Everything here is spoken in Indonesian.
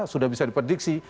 sudah bisa diprediksi